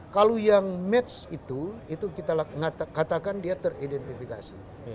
kalau yang match itu itu kita katakan dia teridentifikasi